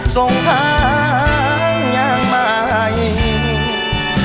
ส่งทางอย่างใหม่